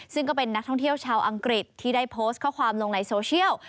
ซึ่งก็เป็นนักท่องเที่ยวชาวอังกฤษที่ได้โพสต์ข้อความลงในโซเชียล